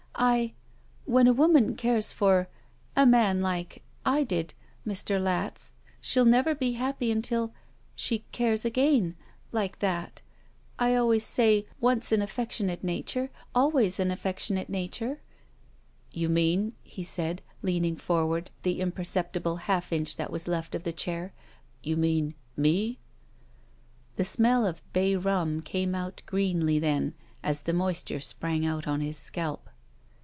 I — When a woman cares for — a man like — I did — ^Mr. Latz, she'll never be happy until — she cares again — ^like that. I always say, once an affec tionate nature, always an affectionate nature." "You mean," he said, leaning forward the im perceptible half inch that was left of chair — "you mean — ^me —?" The smell of bay rum came out gre^y then as the moisture sprang out on his scalp.